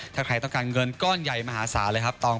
ถ้าใครต้องการเงินก้อนใหญ่มหาศาลเลยครับตอง